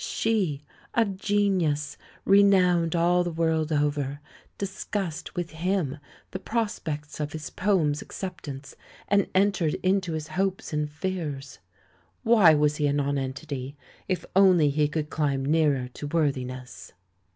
She, a genius, renowned all the world over, discussed with him the prospects of his poems' acceptance and entered into his hopes and.fears! Why was he a nonentity ? If only he could climb nearer to worthiness